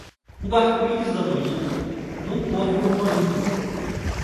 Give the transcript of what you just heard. O arco-íris da manhã não corre o moinho.